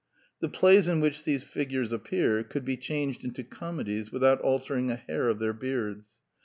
The plays in which these figures appear could be changed into comedies without altering a hair of their beards.